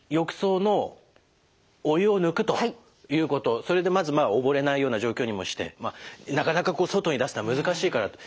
それでまずまあ溺れないような状況にもしてなかなかこう外に出すのは難しいから。